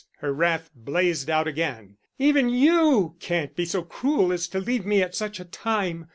Her wrath blazed out again. "Even you can't be so cruel as to leave me at such a time.